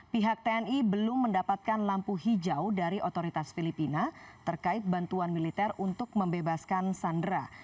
pihak tni belum mendapatkan lampu hijau dari otoritas filipina terkait bantuan militer untuk membebaskan sandra